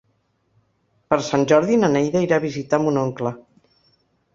Per Sant Jordi na Neida irà a visitar mon oncle.